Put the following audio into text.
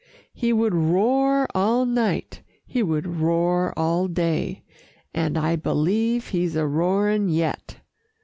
He would roar all night, he would roar all day, And I b'lieve he's a roaring yet!